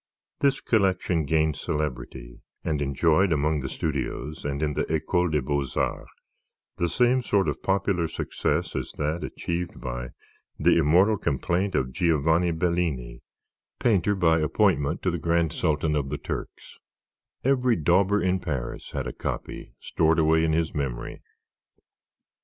This collection gained celebrity and enjoyed, among the studios and in the Ecole des Beaux Arts, the same sort of popular success as that achieved by the immortal complaint of Giovanni Bellini, painter by appointment to the Grand Sultan of the Turks; every dauber in Paris had a copy stored away in his memory.